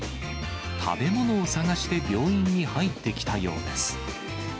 食べ物を探して病院に入ってきたようです。